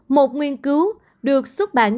một nghiên cứu được xuất bản